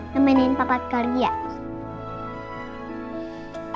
semenin papat karya